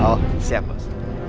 oh siap bos